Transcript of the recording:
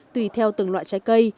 tùy theo từng loại trái cây